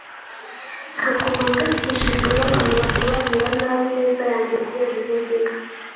ntabwo mpangayikishijwe n'abantu basobanura nabi ineza yanjye kubera intege nke